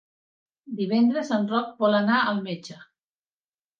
Divendres en Roc vol anar al metge.